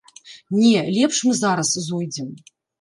Не, лепш мы зараз зойдзем.